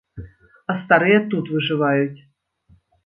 А старыя тут выжываюць.